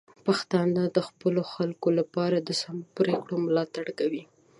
پښتانه د خپلو خلکو لپاره د سمو پریکړو ملاتړ کوي.